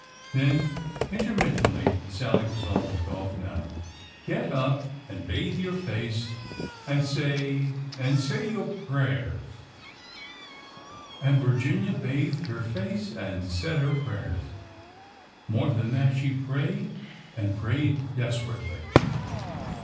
" Then," intermittently, — Sallie was almost off now, —" get up— and bathe your face— and say— and say — your prayers." 251 252 ORDER NO. 11 And Virginia bathed her face and said her prayers. More than that, she prayed — prayed desperately.